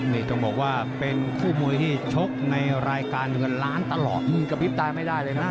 นี่ต้องบอกว่าเป็นคู่มวยที่ชกในรายการเงินล้านตลอดกระพริบตายไม่ได้เลยนะ